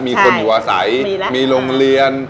มีคนหัวใสมีโรงเรียน